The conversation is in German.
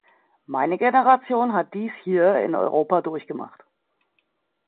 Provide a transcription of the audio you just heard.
Meine Generation hat dies hier in Europa durchgemacht.